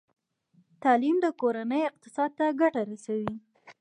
تعلیم د کورنۍ اقتصاد ته ګټه رسوي۔